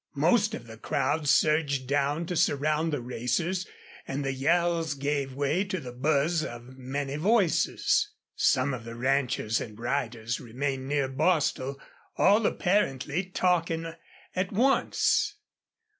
Most of the crowd surged down to surround the racers, and the yells gave way to the buzz of many voices. Some of the ranchers and riders remained near Bostil, all apparently talking at once.